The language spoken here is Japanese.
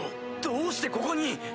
どうしてここに？